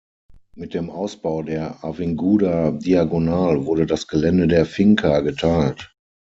Mit dem Ausbau der Avinguda Diagonal wurde das Gelände der Finca geteilt.